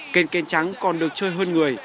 kênh kênh trắng còn được chơi hơn người